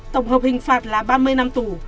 tổng hợp hình phạt là ba mươi năm tù